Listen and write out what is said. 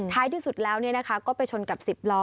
ท้ายที่สุดแล้วเนี่ยนะคะก็ไปชนกับสิบล้อ